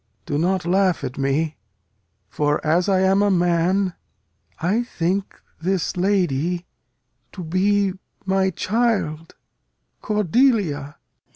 Do not laugh at me; For (as I am a man) I think this lady To be my child Cordelia.